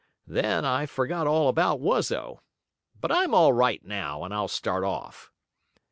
Then I forgot all about Wuzzo. But I'm all right now, and I'll start off."